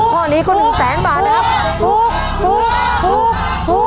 พ่อนี้ก็หนึ่งแสงบาทแล้ว